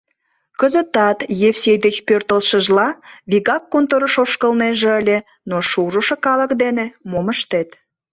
Кызытат, Евсей деч пӧртылшыжла, вигак конторыш ошкылнеже ыле, но шужышо калык дене мом ыштет?